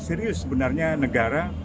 serius sebenarnya negara